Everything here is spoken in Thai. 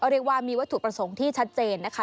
เรียกว่ามีวัตถุประสงค์ที่ชัดเจนนะคะ